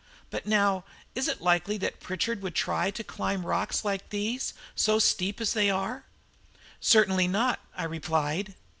But now, is it likely that Pritchard would try to climb rocks like these, so steep as they are?" "Certainly not," I replied.